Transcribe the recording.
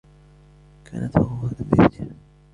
كانت فخورة بإبنها.